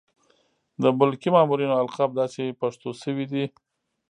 د ملکي مامورینو القاب داسې پښتو شوي دي.